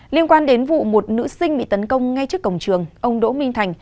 liên quan đến vụ một nữ sinh bị tấn công ngay trước cổng trường ông đỗ minh thành